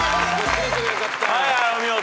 お見事。